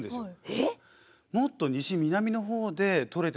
えっ！？